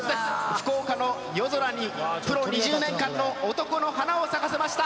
福岡の夜空に、プロ２０年間の男の花を咲かせました。